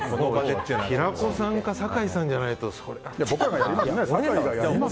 平子さんか酒井さんじゃないと。